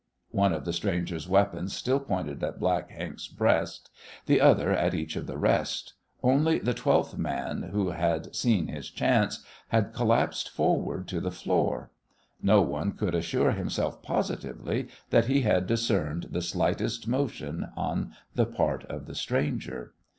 One of the stranger's weapons still pointed at Black Hank's breast; the other at each of the rest. Only the twelfth man, he who had seen his chance, had collapsed forward to the floor. No one could assure himself positively that he had discerned the slightest motion on the part of the stranger.